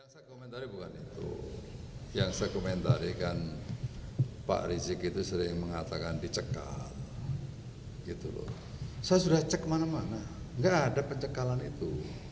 sebelumnya saya sudah cek ke mana mana tidak ada pencekalan itu